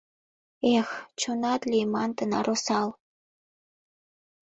Эх, чонат лийман тынар осал!